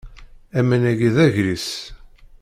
Aman-agi d agris.